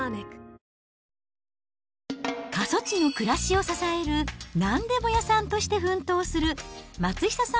過疎地の暮らしを支える何でも屋さんとして奮闘する松下さん